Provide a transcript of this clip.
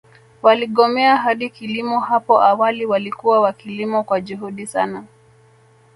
Waligomea hadi kilimo hapo awali walikuwa wakilima kwa juhudi sana